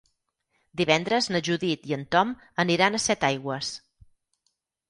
Divendres na Judit i en Tom aniran a Setaigües.